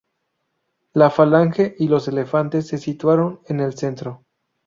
La falange y los elefantes se situaron en el centro.